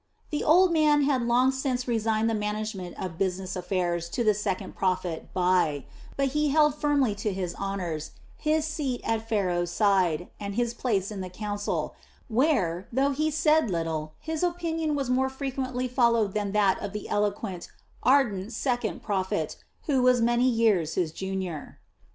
The old man had long since resigned the management of business affairs to the second prophet, Bai, but he held firmly to his honors, his seat at Pharaoh's side, and his place in the council, where, though he said little, his opinion was more frequently followed than that of the eloquent, ardent second prophet, who was many years his junior.